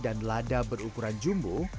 dan lada berukuran jumbo